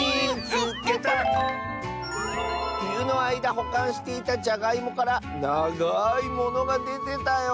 「ふゆのあいだほかんしていたじゃがいもからながいものがでてたよ！」。